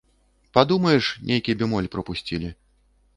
Падумаеш, нейкі бемоль прапусцілі.